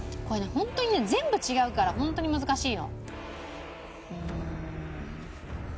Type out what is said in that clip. ホントにね全部違うからホントに難しいの。